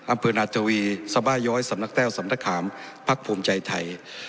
อำเภอนาจวีสบาย้อยสำนักแต้วสำนักขามพักภูมิใจไทย